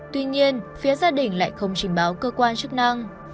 tuy nhiên phía gia đình lại không trình báo cơ quan chức năng